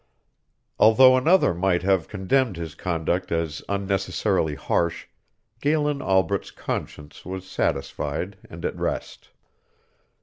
Although another might have condemned his conduct as unnecessarily harsh, Galen Albret's conscience was satisfied and at rest.